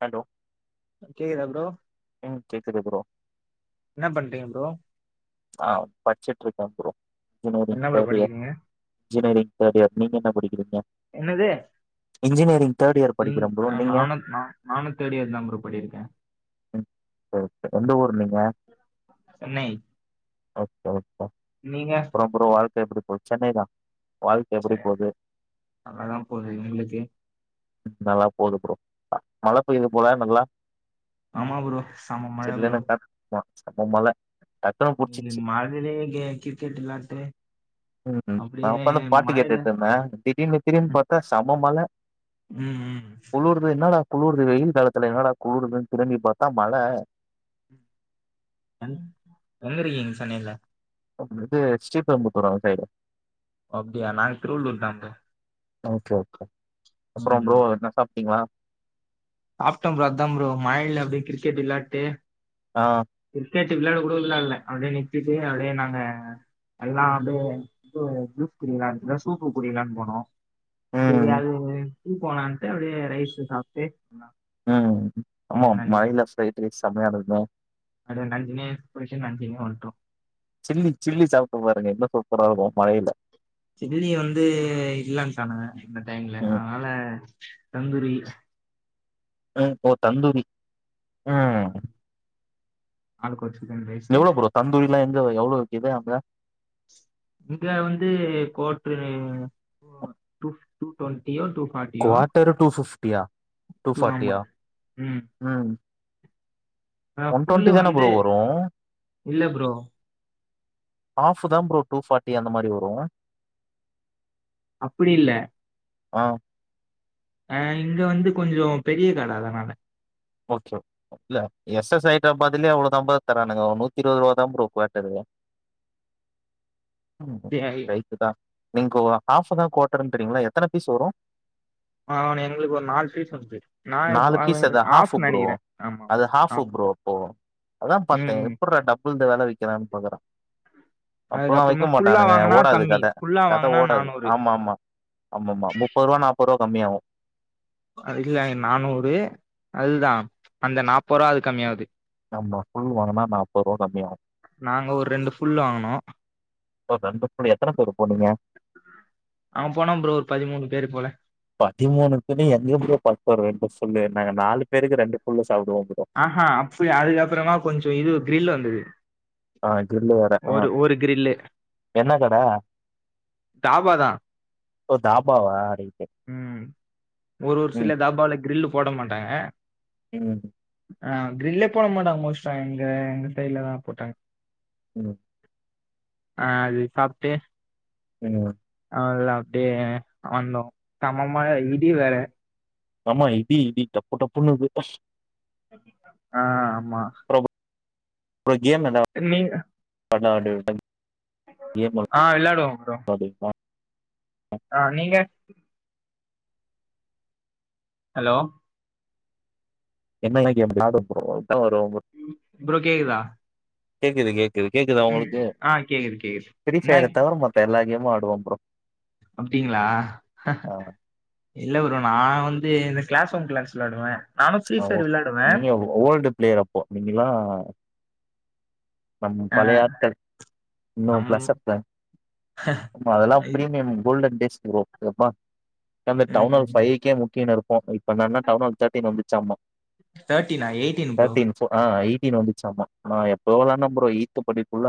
Hello கேக்குதா bro ம் கேக்குது ப்ரோ என்ன பண்றீங்க ப்ரோ ஆ படிச்சிட் இருக்கேன் ப்ரோ இன்ஜினரிங் என்ன ப்ரோ கோபிய படிக்கிறீங்க இன்ஜினரிங் சேரியப் நீங்க என்ன படிக்கிறீங்க என்னது இன்ஜினியரிங் தேர்ட் இயர் ம் படிக்கிறே ப்ரோ நீங்க நானும் நா நானும் தேர்ட் இயர் தான் ஃப்ரோ படிக்றேன் ம் ஓ எந்த ஊரு நீங்க சென்னை ஓ ஓ ஓ நீங்க அப்றம் ஃப்ரோ அதுக் எப்டி போய் சென்னை தான் ஆ நல்லதான் போது இங்களுக்கு நல்லா போது ப்ரோ மழை பெய்து போல நல்லா ஆமா ப்ரோ செம மழ ப்ரோ சில்லுனு காத்துமா செம மழ டக்னு இன்னைக்கு புடிச்சிரிச்சு மழைலயே கே கிரிக்கெட் விளாட்டு ம் ம் நா அப்டியே உக்காந்து பாட்டு மழைல கேட்டுட்டு இருந்தேன் திடீர்னு திரும்பி பாத்தா செம மழ ம் ம் குளூர்து வெயில் காலத்துல என்னடா குளூர்து திரும்பி பாத்தா மழ ம் வந்துருக்கீங்கன்னு சொன்னில இது ஸ்ரீபெரும்புத்தூர் அந்த சைடு அப்டியா நாங்க திருவள்ளூர் தான் ப்ரோ ஓகே ஓகே அப்புறோம் ஃப்ரோ என்னா சாப்டீங்களா சாப்ட்டேன் சாப்டேன் ப்ரோ மழயில அப்படியே கிரிக்கெட் விளாட்டு ஆ கிரிக்கெட் விளையாட கூட விளா இல்ல அப்படியே நிறுத்திட்டு அப்படியே நாங்க எல்லாம் அப்படியே இது ஜூஸ் குடிக்கலாம் இது சூப்பு குட்டலாம்ன்னு போனோம் ம். தெரியாதவங்க இது போலான்ட்டு அப்படியே ரைஸ் சாப்பிட்டு ம் ஆமா அப்படியே மழயில சைட் மிக்லஸ் செம்மையான இருக்குமே அ நஞ்சினே புரிஷ நஞ்சினே ஒன்ட்டோ சில்லி சில்லி சாப்ட்டு பாருங்க இன்னு சூப்பற இருக்கு மழைல்ல சில்லி வந்து இல்லேன்டானுங்க இந்த டைம்ல ம். அதனால தந்தூரி அ ஓ தந்தூரி ஆ அ எவ்ளோ ப்ரோ தந்தூரிலா எங்க எவ்ளோ இத அ இங்க வந்து கோட்ரு டூ டுவெண் குவார்டரு டூ ஃபிப்டியா டூ ஆமா டூஃபாட்டியா ம் ஆ ஃபுல்லு தானே வந்து ப்ரோ வரும். இல்ல ப்ரோ ஆஃபு தா ப்ரோ டூஃபாட்டி அந்த மாரி வரு அப்டி இல்ல ஆ அ இங்க வந்து கொஞ்சௌ பெரிய கட அதனால ஓகே இல்ல எஸ் எஸ் ஆயிட்ட பத்திலயே அவ்ளதா தரானுங்க நூத்தி இருபது ரூபா தான ப்ரோ குவாட்டரு ரைட்டுதா நீங்க ஹாஃப்பதா குவார்ட்டருன்ரிங்ளா எத்தன பீஸ் வரு அ எங்களுக்கு ஒரு நாலு பீசு வந்தது வச்சு பீஸ் அது ஹாஃப் நான் [unintelligible] ப்ரோ ஆமா அது ஹாபு ப்ரோ ஆமா அப்போ அதா ம் பாத்தேங்க ம் எப்புற்றா டபள் ப்பல்த வெல விக்குறான்னு பாக்ற அப்பல்லா அதுக்கப்புறமா விக்க ஃபுல்லா மாட்டானுங்க வாங்குனா ஓடாது கம்மி கட ஃபுல்லா கதட வாங்குனா ஓடாது நானூறு ஆமா ஆமா ஆமா ஆமா முப்பது ரூபா நாப்பது ரூபா கம்மியாவு அது இல்ல நானூறு அதுதா அந்த நாப்பது ரூபா அது கம்மியாகுது நம்ம ஃபுல் வாங்குனா நாற்பது ரூபா கம்மியாகு நாங்க ஒரு ரெண்டு ஃபுல் வாங்குனோம் ரெண்டு எத்தன பேரு போனீங்க அவே போனா ப்ரோ ஒரு பதிமூனு பேரு போல பதிமூன்னு எங்க கூய பத்து ர சொல்லு நாங்க நாலு பேருக்கு ரெண்டு புள்ள ஆஹ அப்டி அதுக்கப்புறமா கொஞ்சோ இது கிரில் வந்தது ஆ கிரில்லு வேற ஆ ஒரு ஒரு கிரில்லு என்ன கட தாபா ஓ தாபாவா உம் ஒரு ஒரு ம். சில தாபால கிரில் போட மாட்டாங்க ம் ஆ கிரில்லே போட மாட்டாங்க மோஸ்டா எங்க எங்க சைட்லதா போட்டாங் ம் அ அது சாப்பிட்டே வினு ஆ இல்ல அப்பிடியே வந்தோ செம்ம மழ இடி வேற ஆமா இடி இடி டப்பு டப்புன்னுது ஆ ஆமா அப்பறோ கேம் நல்லா நீ [unintelligible] [unintelligible] ஆ விளையாடுவோ ப்ரோ ஆ நீங்க ஹலோ என்ன எல்லா கேம் விளாட போறோ ப்ரோ கேக்குதா கேக்குதுக்கு கே க்குது கேக்குத ம் உங்களுக்கு ஆ கேக்குது கேக்குது எடிட் சைடத தவிர மத்த எல்லா கேம் மாடுவோ ப்ரோ அப்பிடிங்களா ஆ இல்ல வரு நா வந் தி இந்த கிளஸ் ஒன் கிளாஸ் விளாடுவே நானு ஃப்ரீ ஃபயர் விளாடுவே நீங்க ஓ ஓல்டு பிளேயர் அப்போ நீங்கல்லா நம் ஆ பழைய ஆட்கள் இன்னு நம் பிளஸ் அப்புல அதெல்லா இது பிரீமியம் கோல்டன் டேஸ் ரோ ரப்பா அந்த டவுனல் ம் ஃபைக்கே முக்கினு இரு [unintelligible] நன்ன இன்ன டவுனா தேட்டின் வந்து சம்மா தேர்ட்டீனா எயிட்டீன் ப்ரோ தேட்டின் ஃப்போ ஆ எயி டின் வந்துச்சாம நா எப்போ விளாண்ட ப்ரோ ஈத்து படிக்குள்ள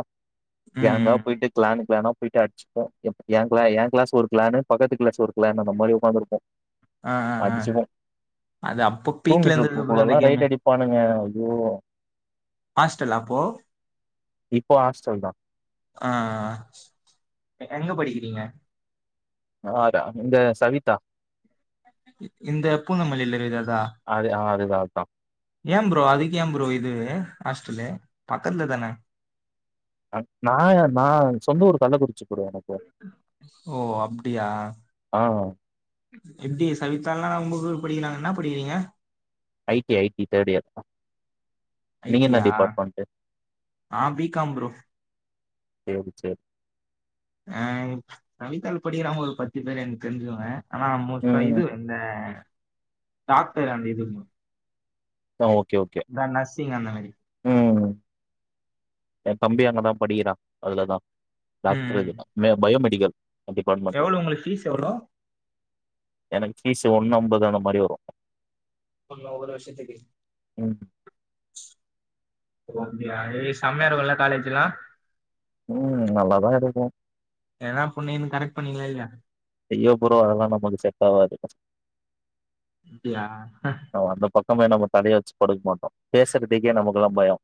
ம் கேங்கா ம் ம் போயிட்டு கிளான் கிளானா போயிட்டு அடிச்சுப்போம் ஏ கிளா ஏ கிளாஸ் ஒரு பிளான்னு பக்கத்து கிளாஸ் ஒரு பிளான்னு அந்த மாரி உக்காந்துருப்போம் ஆ ஆ ஆ அடிச்சிப்போம் அது அப்போ பீக்ல தூங்கிட்டு இருந்தது இருக்க ப்ரோ அந்த குல்லலாம் கேமு ரைட் அடிப்பானுங்க ஓ ஹாஸ்டலா அப்போ இப்போ ஹாஸ்டல் தா ஆ எங்க படிக்கிறீங்க ஆடா இந்த சவிதா இந்த பூந்தமல்லில இருக்குதே அதா த அதான் ஏம்புரோ அதுக்கு ஏம்புரோ இது ஹாஸ்டலு பக்கத்துல தான அ நான் ஏ நான் சொந்த ஊரு கள்ளக்குறிச்சி ப்ரோ எனக்கு ஓ அப்டியா ஆ எப்டி சவிதாலாம் உங்க கூட படிக்கறாங்கன்னா என்ன படிக்கிறீங்க IT IT third year ஐ நீங்க டி என்ன யா டிபாட்மென்ட்டு நா பி காம் ப்ரோ சேரி சேரி ஆ சவிதால படிக்கற அவுங்க ஒரு பத்து பேர் எனக்கு தெரிஞ்சவங்க ஆனா மோஸ்டா ம் இது இந்த டாக்டர் அந்த இது ஆ ஓகே ஓகே இந்த நர்சிங் அந்த மாரி ம் என் தம்பி அங்கதான் படிக்கிறான் அதுலதான் ம் டாக்டரு ம் கேட்டா மே பயோமெட் டிகா எவ்ளோ உங்களுக்கு ஃபீஸ் எவ்ளோ எனக்கு பீஸ் ஒண்ணு அம்பது அந்த மாரி வரும் ஃபுல்லா ஒவ்வொரு வருஷத்துக்கு ம் ஓ அப்டியா ஏ செமயா இருக்குல்ல காலேஜிலாம் ம் நல்லாதான் இருக்கும் எதனா பொண்ணு கின்னு கரெட் பண்ணிங்களா இல்லையா ஐயோ ப்ரோ அதலா நமக்கு செட் ஆவாது ப்ரோ அப்டியா நம்ப என்ன ப தலய வச்சி படுக்க மாட் பேசறதுக்கே நமக் குலா பயம்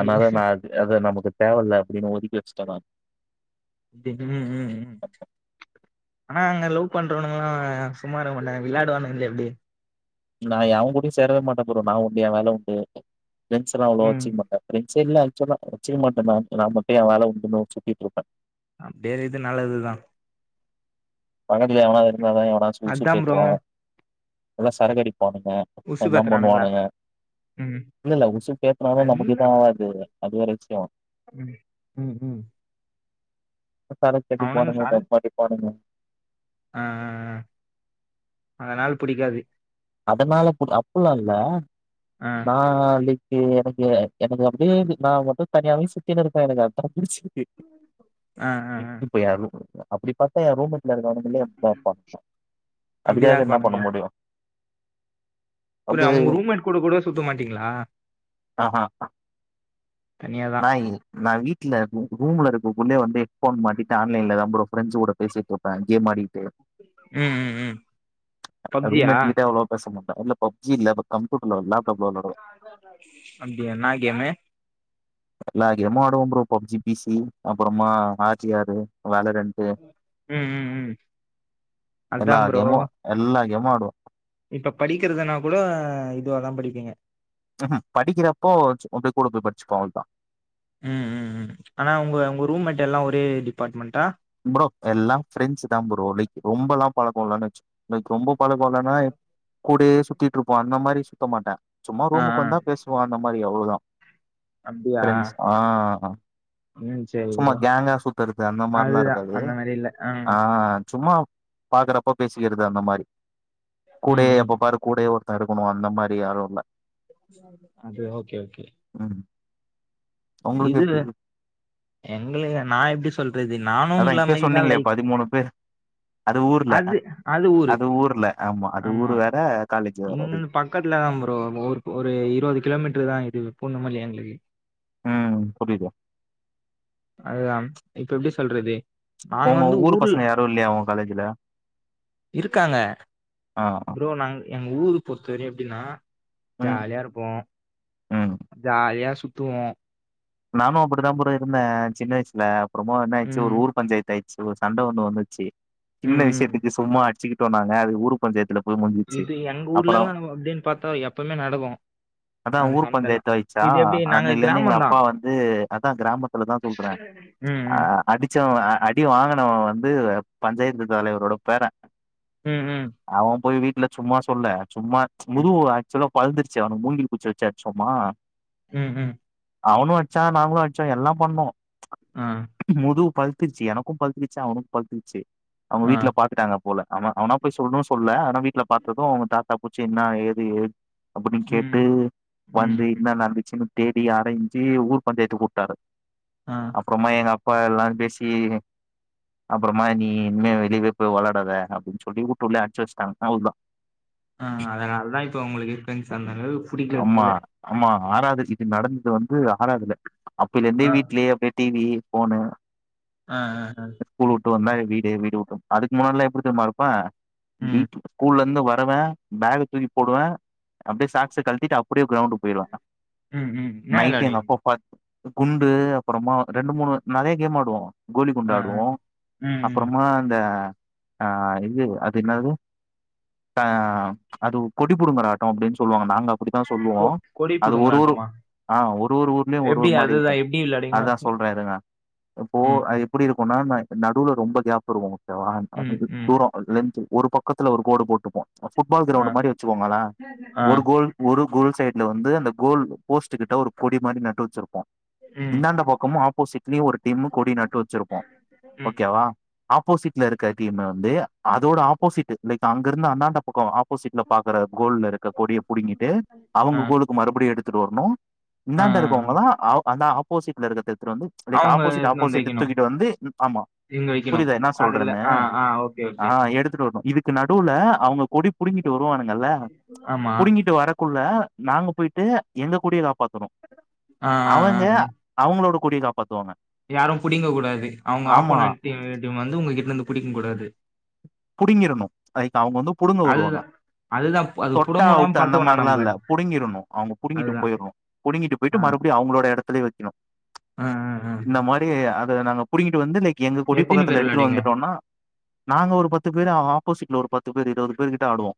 அனால நான் அ அது நமக்கு தேவயில்ல அப்பிடின்னு ஒதுக்கி வச்சிட்டே நா டி ம் ம் ம் ஆனா அங்க லவ் பண்றவனுங்கல்லா சும்மா இருக்கமாட்டா விளையாடுவானுங்க இல்ல எப்பிடி நா யவங்கூடயு சேரவே மாட்டடே புரோ நா உண்டு ஏ வேல உண்டு பிரெண்ட்ஸ்லா அவ்ளோ ம் வச்சிக்கமாட்ட சே இல்ல ஆக்சுவலா வச்சுக்க மாட்டேதா நா மட்டு ஏ வேல உண்டுன்னு சுத்திட்டு இருப்பே வேறு இது நல்லதுதா பக்கத்துல எவனாது இரு இல்ல அவ எவனாது அதா ப்ரோ உசுபேத்துவான் நல்லா சரக்கடி பானுங்க உசு எல்லா பாத்துறானுங்களா பண்ணுவானுங்க ம் இல்ல இல்ல உசுப்பேத்தனாளு நமக்கெது அல்லா ஆகாது அது வேற விஷ்யோ ம் ம் ம் சரக்கு அவனுங்க அடிப்பானுங்க சார தம் அடிப்பானுங்க ஆ ஆ அதனால புடிக்காது அதனால பு அப்புல்லா இல்ல ஆ நா அடி எனக்கு எனக்கு அப்பிடியே நா மட்டு தனியாவே சுத்தினு இருப்பே எனக்கு அத்தா புடிச்சிருக்கு ஆ ஆ ஆ இப்ப யாருமே குடுக்க அப்பிடி பத்தா ஏ ரூம் [unintelligible] அதுக்காக என்ன பண்ண முடியு ப்பரே அவுங்க ரூம்மேட் கூட கூட சுத்தமாட்டீங்களா நாய் நா வீட்டுல இரு ரூம்ல இருக் கூகுளே வந்து ஹெட்ஃபோன் மாட்டிட்டு ஆன்லைன்ல தான் ப்ரோ ஃப்ரண்ட்ஸ் கூட பேசிட்டுருப்பே கேம் ஆடி ம் ம் ம் பப்ஜியா அவ்ல பப்ஜி இல்ல கம்ப்யூட்டர்ல லேப்டாப்ல விளாடுவேன். அப்பிடியா என்னா கேமு எல்லா கேமு ஆடுவோ ப்ரோ பப்ஜி பிசி அப்புறமா ஆச்சிஆரு வேலை ரென்ட்டு ம் ம் ம் அதா எல்லா ப்ரோ கேமு எல்லா கேமு மாடுவோ இப்ப படிக்கறதுனா கூட இதுவாதா படிப்பீங்க உம்ஹும் படிக்கிறப்போ கூட போய் படிச்சுப்போம் அவள தான் ம் ம் ம் ஆனா உங்க உங்க ரூம் மேட் எல்லாம் ஒரே டிபார்ட்மெண்ட்டா ப்ரோ எல்லாம் ப்ரெண்ட்ஸ் தான் ப்ரோ ரொம்பெல்லாம் பழக்கொம்ல்லனு வச் ரொம்ப பழக்கம் இல்லனா கூடயே சுத்திட்டு இருப்போம் அந்த மாதிரி சுத்த மாட்டேன் சும்மா ஆ ஆ ரூமுக்கு வந்தா பேசுவோம் பிரண்ட் அ மாறி அவ்ளவுதான் அப்டியா ஆஹ் ம் சேரி சும்மா ப்ரோ கேங்கா சுத்துறக்கு அந்த அதுதா மாதிரிலாம் அந்த மாதிரி இல்ல ஆஹ் சும்மா பாக்குறப்ப பேசிக்கிறது அந்த மாதிரி ம் கூடயே ம் அப்ப பாரு கூடயே ஒரு தடுக்கணும் அந்த மாதிரி யாரும் இல்ல அது ஓகே ஓகே உஹம் இதுல எங்ளைய நான் எப்படி சொல்றது நானும் அதான் உங்கள இப்பயே மாரித்தான் சொன்னீங்களே பதிமூணு பேர் அது ஊர்ல அது ஊரு ஊர்ல அது ஊர் ஆமா வேற காலேஜ் வேற ரைட் இங்கந்து பக்கத்துல தான் ப்ரோ ஒரு ஒரு இருபது கிலோமீட்டரு தான் இது பூந்தமல்லியா எங்களுக்கு உம் புரியுது அதுதான் இப்ப எப்படி சொல்றது நாங்க உங்க வந்து ஊர் ஊர்ல பசங்க யாரும் இல்லையா உங்க காலேஜ்ல இருக்காங்க ஆ ஆ. ப்ரோ நாங்க எங்க ஊருக்கு பொறுத்தவரை எப்படின்னா ம் ஜாலியா இருப்போம் ம். ஜாலியா சுத்துவோம் நானும் அப்படிதான் ப்ரோ இருந்தேன் சின்ன வயசுல அப்புறமா என்னாச்சு ஒரு ம் ஊர் பஞ்சாயத்து ஆயிச்சி சண்டை ஒன்ணு வந்துச்சு சின்ன ம் ம் விஷயத்துக்கு சும்மா அடிச்சுக்கிட்டு சொன்னாங்க அது ஊரு பஞ்சயத்துல இது எங்க ஊர்ல எல்லாம் அப்படின்னு பார்த்தா எப்பவுமே நடக்கும் அதான் அந்த ஊர் சண்டை எல்லாம் பஞ்சாயத்து ஆயிடுச்சா, இது எப்படி நாங்க அன்னையிலருந்து எங்க கிராமம்தான் அப்பா வந்து அதான் கிராமத்துல தான் சொல்றேன் ம் ம் அடிச்சவன் அடி வாங்கினவ வந்து பஞ்சாயத்து தலைவரோட பேரன் ம் ம் அவன் போய் வி இல்ல சும்மா சொல்ல சும்மா ம் முது ஆசுலா பழுந்துடுச்சு அவன் மூங்கில் குச்சி வச்சி அச்சோமா உம் உம் அவனு அடிச்சா நாங்களு அடுச்சோ எல்லாம் பண்ணோ ஆ முதுகு பல் பத்துச்சு எனக்கு பத்துடிச்சு அவனுக்கு பத்துச்சு அவுங்க ஆ வீட்ல பாத்துட்டாங்க போல அவன அவனா போய் சொல்லம்னு சொல்ல வீட்ல பாத்தது அவுங்க தா தப்புச்சு என்னா ஏது ஏ அப்டின்னு கேட்டு ம் ம் வந்து ம் இன்ன நடந்துச்சுனு தேடி அலஞ் த்தி ஊர் பஞ்சாயத்துக்கு கூப்பட்டாரு ஆ அப்றமா எங்க அப்ப எல்லா பேசி அப்றமா நீ இனிமே வெளியே போய் வெளயாடாத அப்டின்னு சொல்லி வீட்டுள்ளே அடச்சு வச்சுட்டாங்க ஆ அதனால தா இப்ப உங்களுக்கு இருக்கன் அந்த அளவுக்கு புடிக்கிறது இல்ல ஆறாது சீட்டு நடந்துட்டு வந்து உ ஆரலை [unintelligible] அப்பல இருந்தே ஆ வீட்லயே அப்டியே டிவி போனு ஆ ஆ ஆ வீடு வந்தா வீடு வீடு விட்டு அதுக்கு முன்னால்லா எப்டி தெரியுமா இருப்பே ம் ஸ்கூல்ல இங்க வருவே பேக்க தூக்கி போடுவே அப்டியே சாக்ஸ கழத்திட்டு அப்டியே கிரௌண்டுக்கு போயிருவே உம் உம் நைட்டு எங்க அப்ப பாத்த குண்டு அப்றமா ரெண்டு மூனு நெறய கேம் ஆடுவோ கோலி ஆ ஆ குண்டாடுவோ ம் ம் அப்பறமா இந்த ஆ இது அது என்னாது அ அது கொடி புடுங்கற ஆட்டோ அப்டின்னு சொல்லுவாங்க நாங்க அப்புடிதா சொல்லுவோ கொ கொடி அது ஒரு ஒரு புடுங்கலாட்டமா ஆ ஒரு ஒரு ஊர்லேயு ஒரு எப்டி ஒரு மாரி அதுதா இருக்கே எப்டி விளாடுவீங்க அதா சொல்றே இருங்கா இப்போ ம் அது எப்டி இரு போனா நா நடுவுல ரொம்ப கேப் வருவோ ம் [inaudible] ம் தூரோ அது லென்த்து ஒரு பக்கத்துல ஒரு கோடு போட்டுப்போ ஃபுட்பால் ஆ கிரவுண்டு மாரி வெச்சுக்கோங்கள ஆ ஒரு கோல் ஒரு கோல் சைடுல வந்து அந்த கோல் போஸ்ட் கிட்ட ஒரு கொடி மாதிரி நட்டு வெச்சுருப்போ ம் இந்தாந்த பக்கமு ஆப் போ சிட் இத்தினியு ஒரு டீம்மு கொடி நட்டு வெச்சுருப்போ ம் ஓகேவா ஆப்போசிட்ல இருக்க டீம்ம வந்து அதோட ஆப்போசிட்டு லைக் அங்க இருந்து அந்தாண்ட பக்கோ ஆப் போசிட்ல பாக்கற கோல்ல இருக்க கொடிய புடுங்கிட்டு அவங்க ஆ கோலுக்கு மறுபடியு எடுத் த்துட்டு வர்ணு ஆ ஆ இந்தாண்ட இருக்குவங்களதா ஆ அந்தா ஆப்போசிட்ல இருக்கது ஒருத்தரு வந்து லைக் அவங்க ஆப்போசிட்டு எட்த்துனு வந்து ஆப்போசிட்டு வெக்கணு தூக்கிட்டு வந்து ம் ஆம்மா இங்க வைக்கணும் புரிதா என்ன அதுல சொல்றன்னு ஆ ஆ ஓகே ஆ ஓகே எடுத்துட்டு வர்னு இது க்கு நடுவுல அவுங்க கொடி புடுங்கிட்டு வருவானுங்கல்ல ஆமா புடுங்கிட்டு வர குள்ள நாங்க போயிட்டு எங்க கொடிதாப் பாத்துரு ஆ அவங்க அவங்ளோடு கொடிய காப்பாத்துவாங்க யாரு புடிங்க கூடாது அவங்க ஆமா ஆப்போனன்ட் டீம் டீமு வந்து உங்க கிட் னந்து புடிக்குங் கூடாது புடுங்கிரணு லைக் அவுங்க வந்து புடுங்க வருவாங்க அதுதான் அதுதான் அது தொட்டா புடங்க விடாம அவுட்டு அந்த பாத்துக்கணும் மார்லா நம்ம இல்ல புடுங்கிரணு அவங்க புடுங்கிட்டு அதுதான் போயிர்ணு புடுங்கிட்டு போயிட்டு ஆ மறுபடியு அவங்களோட எடத்துலயே வெக்கணு ஆ ஆ ஆ. இந்த மாரி அத் ந்த நாங்க புடுங்கிட்டு வந்து லைக் எங்க கொடி எத்தனை பகத்துல பேர் எடுத்துட்டு விளையாடுங்க வந்துட்டோன்னா நாங்க ஒரு பத் ஆப்போசிட்ல ஒரு பத்து பேரு இருவது பேரு கிட்ட ஆடுவோ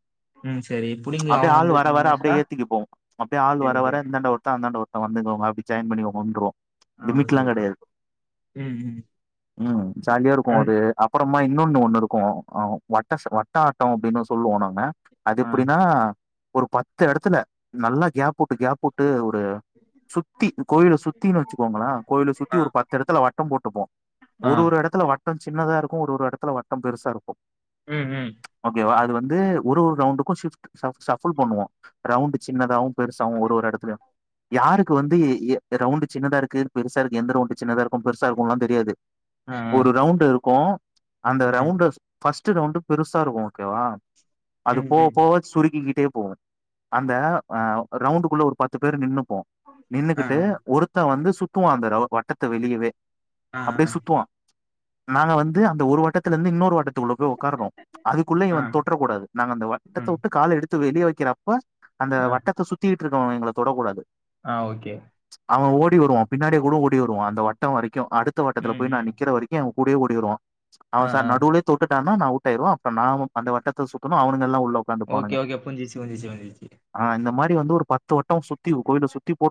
ம் சரி புடிங்க அப்டியே அவன் ஆள் வந்து வர வர எடுத்துன்னு வச்சிட்டா அப்டியே ஏத்திக்கு போவோ அப்டியே ஆள் சரி வர ஓகே வர இந்தாண்ட ஒருத்த அந்தாண்ட ஒருத் அவ வந்து [unintelligible] அப்டி ஜாயின் பண்ணி [unintelligible] ஆ ஓகே லிமிட்ல்லா ஓகே கெடையாது ம் ம் ம். ம் ஜாலியாருக்கு அது அப்புறோ ஆமா இன்னொன்னு ஒண்ணுருக்கு அ வட்டச வட்ட ஆட்டம் அப்பிடின்னு சொல்லுவோ நாங்க அது ஆ எப்பிடின்னா ஒரு பத்து எடத்துல நல்லா கேப்புட்டு கேப்புட்டு அஅ சுத்தி இ கோயில சுத்தி வச்சுக்கோங்கள கோயில சுத்தி ஆ ஒரு பத்து இடத்துல வட்டம் போட்டுப்போ ஆ ஒரு ஒரு எடத்துல வட் ட்டம் சின்னதா இருக்கு ஒரு ஒரு இடத்துல வட்டம் பெருசா இருக்கு ம் ம் ந்து ஒரு ஒரு ரவுண்டுக்கு ஷிப்ட் ஷஃப் ஷஃபுல் பண்ணுவோ ரவுண்ட் சின்னதாவு பெருசாவு ஒரு ஒரு எடத்திலயு யாருக்கு வந்து எஎ ரவுண்ட் சின்னதா இருக்கு பெருசா இருக்கு எந்த ரவுண்ட சின்னதா இருக்கு பெருசா இருக்குல்லா தெரியாது ஆ ஆ ஒரு ரவுண்ட் இருக்கு அந்த ஆ ரவுண்ட் ஃபஸ்ட் ரவுண்டு் பெருசா இருக்கு ஓகேவா அது ம் போவ ம் போவ சுருங்கி கிட் டேபோ அந்த ஆ ரவுண்டுக்குள்ள ஒரு பத்து பேர் நின்னு போ ஆ நின்னுகிட்டு ஆ ஒருத்த வந்து துக்குவோ அவ வட்டத்த வெளியவே ஆ அப்பிடியே சுத்துவோ நாங்க வந்து அந்த ஒரு வட்டத்துல இந்து இன்னொரு வட்டத் த்துகுள்ள போய் உட்காரணு அதுக்குள்ள ஆ ஆ வ தொற்றக்கூடாது நா அந்த ம் வட்டத்தவுட்டு கால எடுத் த்து வெளிவக்கிறப்பா அந்த ஆ வட்டத்த சுத்தி ட்ருக்க எங்கள தொடக்கூடாது ஆ ஓகே ப்பிடி வருவா பின்னாடி கூட ஓடி வருவ அந்த வட்டோ வரைக்கு கியு அடுத்த வட்டத்துல ம் போய் நா ம் நிற்கிற வரைக்கு கூடியே ஓடி வருவா ஆ சார் நடுவுழியே வுட்டுடானா நா அவுட்டு ஆயிருவோ அப்புறோ நா அந்த வட்டத்த சுத்தனு அவனுங்க எல்லா உள் ஓகே ஓகே புஞ்சிச்சி புஞ்சிச்சி புஞ்சிச்சி ப்பிடியே வந்து ஒரு பத்து வட் சுத்தி கோவில சுத்தி போ